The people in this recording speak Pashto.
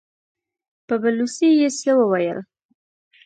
په بلوڅي يې څه وويل!